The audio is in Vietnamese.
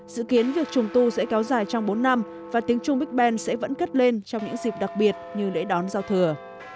dự kiến việc trùng tu sẽ kéo dài trong bốn năm và tiếng trung big ben sẽ vẫn cất lên trong những dịp đặc biệt như lễ đón giao thừa